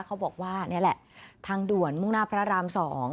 เขาบอกว่านี่แหละทางด่วนมุ่งหน้าพระราม๒